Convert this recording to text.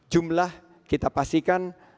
jumlah kita pastikan